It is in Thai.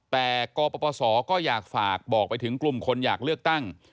แต่กปศก็อยากฝากบอกไปถึงกลุ่มคนอยากเลือกตั้ง